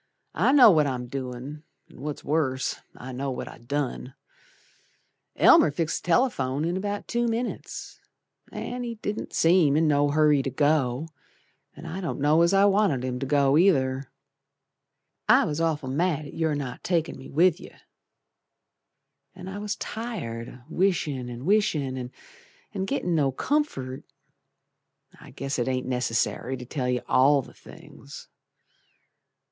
I know what I'm doin', An' what's worse, I know what I done. Elmer fixed th' telephone in about two minits, An' he didn't seem in no hurry to go, An' I don't know as I wanted him to go either, I was awful mad at your not takin' me with yer, An' I was tired o' wishin' and wishin' An' gittin' no comfort. I guess it ain't necessary to tell yer all the things.